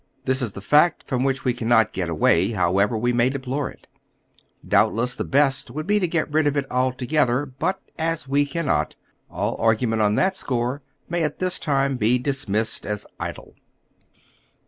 This is the fact from which we cannot get away, how ever we may deplore it. Doubtless the best would be to oy Google HOW THE CASE STAHDS. 283 get rid of it altogetlier ; but as we cannot, all argnment on tliat score may at tliis time be dismissed as idle.